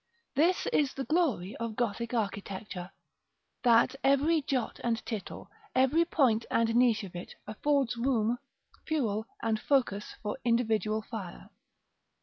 This is the glory of Gothic architecture, that every jot and tittle, every point and niche of it, affords room, fuel, and focus for individual fire.